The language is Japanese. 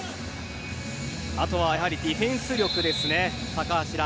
あとはディフェンス力ですね高橋藍。